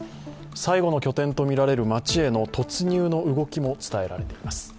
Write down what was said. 最後の拠点とみられる街への突入の動きも伝えられています。